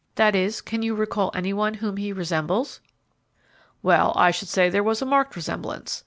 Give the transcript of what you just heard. That is, can you recall any one whom he resembles?" "Well, I should say there was a marked resemblance.